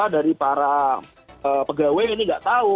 dari para pegawai ini nggak tahu